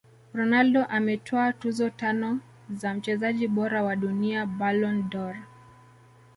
Ronaldo ametwaa tuzo tano za mchezaji bora wa dunia Ballon dOr